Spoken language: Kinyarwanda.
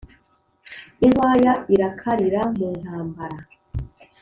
Inkwaya irakarira mu ntambara